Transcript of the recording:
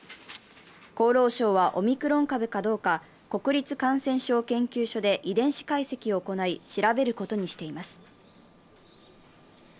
厚労省はオミクロン株かどうか、国立感染症研究所で遺伝子解析を行い、調べることにしています。